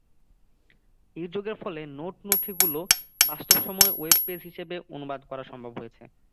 এই যোগের ফলে নোট নথিগুলো বাস্তব সময়ে ওয়েব পেজ হিসেবে অনুবাদ করা সম্ভব হয়েছে।